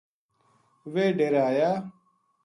ویہ ڈیرے آیا